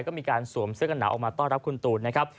ก็มีการสวมเสื้อกันหนาวออกมาต้อนรับคุณตูนนะครับ